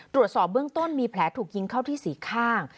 ตรวจสอบเบื้องต้นมีแผลถูกยิงเข้าที่สี่ข้าง